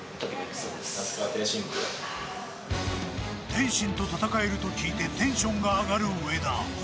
天心と戦えると聞いてテンションが上がる上田。